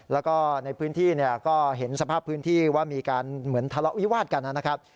แล้วก็ในพื้นที่ก็เห็นสภาพพื้นที่ว่ามีการทะเลาวิวาดกันน่ะ